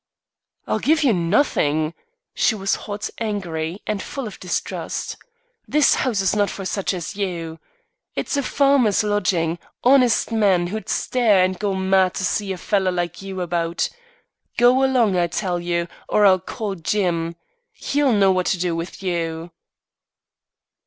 "I'll give you nothing." She was hot, angry, and full of distrust. "This house is not for such as you. It's a farmer's lodging; honest men, who'd stare and go mad to see a feller like you about. Go along, I tell you, or I'll call Jim. He'll know what to do with you."